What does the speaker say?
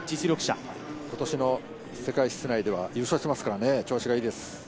今年の世界室内では優勝していますから、調子がいいです。